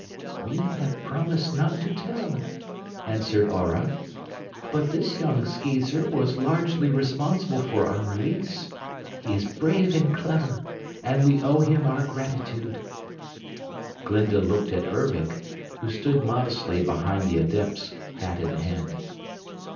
"We have promised not to tell," answered Aurah; "but this young Skeezer was largely responsible for our release; he is brave and clever, and we owe him our gratitude." Glinda looked at Ervic, who stood modestly behind the Adepts, hat in hand.